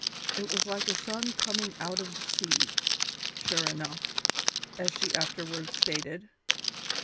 It was like a son coming up out of the sea, sure enough, as she afterward stated.